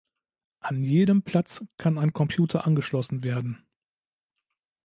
An jedem Platz kann ein Computer angeschlossen werden.